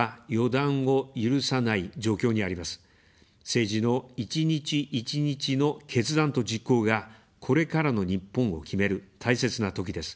政治の一日一日の決断と実行が、これからの日本を決める、大切なときです。